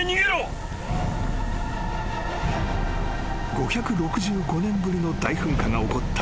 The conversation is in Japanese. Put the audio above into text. ［５６５年ぶりの大噴火が起こった